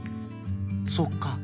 そっか。